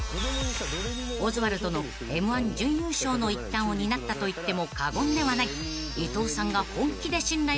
［オズワルドのＭ−１準優勝の一端を担ったといっても過言ではない］